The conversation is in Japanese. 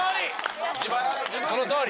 そのとおり。